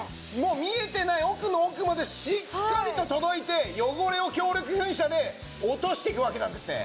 見えてない奥の奥までしっかりと届いて汚れを強力噴射で落としていくわけなんですね。